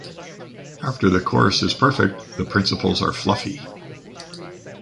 After the chorus is perfect, the principals are fluffy.